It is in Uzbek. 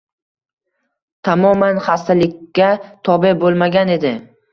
Tamoman xastalikka tobe bo‘lmagan edi.